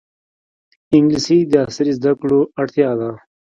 انګلیسي د عصري زده کړو اړتیا ده